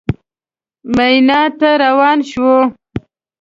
مینا ته روان شوو.